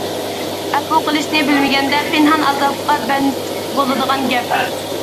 ئەپۇ قىلىشنى بىلمىگەندە، پىنھان ئازابقا بەند بولىدىغان گەپ.